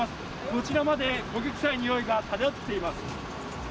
こちらまで焦げ臭いにおいが漂ってきています。